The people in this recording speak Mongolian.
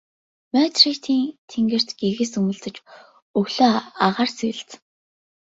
Мадридын тэнгэрт гэгээ сүүмэлзэж өглөөний агаар сэвэлзэнэ.